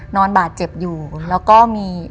นอนบาดเจ็บอยู่แล้วก็มี